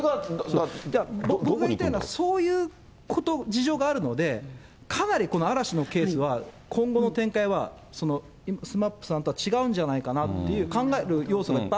僕が言いたいのは、そういう事情があるので、かなりこの嵐のケースは、今後の展開は、ＳＭＡＰさんとは違うんじゃないかなと考える要素がいっぱいある。